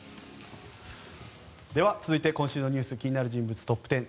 では、続いて今週の気になる人物トップ１０。